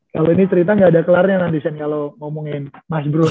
kalo ini cerita gak ada kelarnya nanti sen kalo ngomongin mas brun